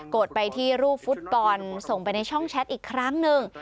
ดไปที่รูปฟุตบอลส่งไปในช่องแชทอีกครั้งหนึ่ง